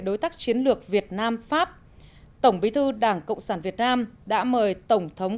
đối tác chiến lược việt nam pháp tổng bí thư đảng cộng sản việt nam đã mời tổng thống